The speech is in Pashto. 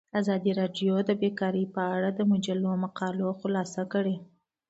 ازادي راډیو د بیکاري په اړه د مجلو مقالو خلاصه کړې.